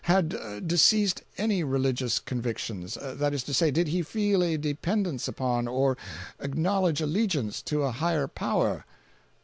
Had deceased any religious convictions? That is to say, did he feel a dependence upon, or acknowledge allegiance to a higher power?"